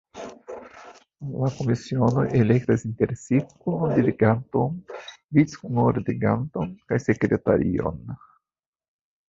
La komisionoj elektas inter si kunordiganton, vic-kunordiganton kaj sekretarion.